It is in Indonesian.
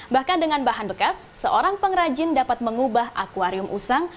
bahkan dengan bahan bekas seorang pengrajin dapat mengubah akwarium usang